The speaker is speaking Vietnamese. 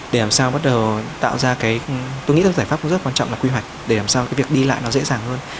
để làm sao bắt đầu tạo ra cái tôi nghĩ giải pháp cũng rất quan trọng là quy hoạch để làm sao cái việc đi lại nó dễ dàng hơn